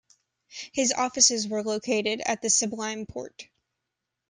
His offices were located at the Sublime Porte.